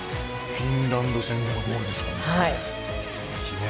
フィンランド戦でもゴールしていますからね。